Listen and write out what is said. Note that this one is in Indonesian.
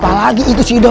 kenapa lagi itu widoy